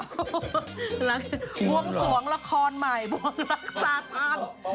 วงสวงละครใหม่บวงรักษาอัน